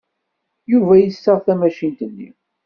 Yuba yessaɣ tamacint-nni.